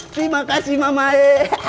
terima kasih mamai